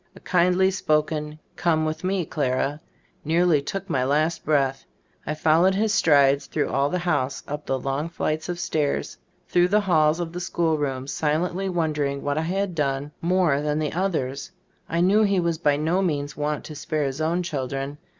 A kindly spoken "come with me, Clara," nearly took my last breath. I followed his strides through all the house, up the long flights of stairs, through the halls of the school rooms, silently wondering what I had done more than the oth COLONEL RICHARD C. STONil, A 3be Stors of As Cbfl&boo& 45 ers. I knew he was by no means wont to spare his own children.